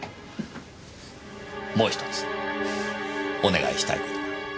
もう１つお願いしたい事が。